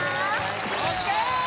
ＯＫ！